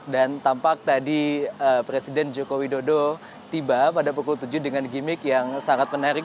dan tampak tadi presiden joko widodo tiba pada pukul tujuh dengan gimmick yang sangat menarik